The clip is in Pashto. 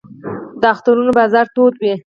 د اخترونو بازار تود وي